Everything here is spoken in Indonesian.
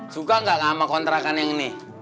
suka nggak sama kontrakan yang ini